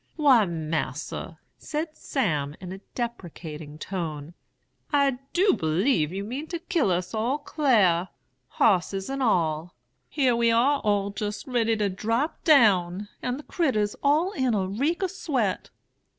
"'Why, Mas'r,' said Sam, in a deprecating tone, 'I do believe you mean to kill us all clar, hosses and all. Here we are all jist ready to drop down, and the critturs all in a reek o' sweat.